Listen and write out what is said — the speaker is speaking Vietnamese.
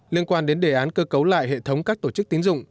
liên quan đến đề án cơ cấu lại hệ thống các tổ chức tín dụng